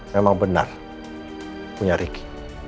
memang benar punya riki